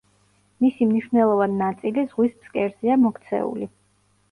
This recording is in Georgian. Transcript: მისი მნიშვნელოვან ნაწილი ზღვის ფსკერზეა მოქცეული.